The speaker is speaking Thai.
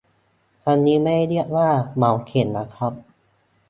อันนี้ไม่ได้เรียกว่า 'เหมาเข่ง' นะครับ